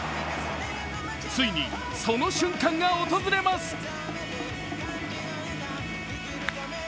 ついにその瞬間が訪れます。